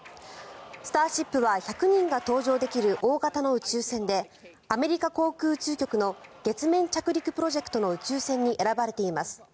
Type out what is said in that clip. スターシップは１００人が搭乗できる大型の宇宙船でアメリカ航空宇宙局の月面着陸プロジェクトの宇宙船に選ばれています。